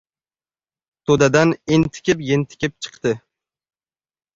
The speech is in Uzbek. To‘dadan entikib-yentikib chiqdi.